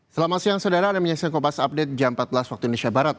selamat siang saudara anda menyaksikan kopas update jam empat belas waktu indonesia barat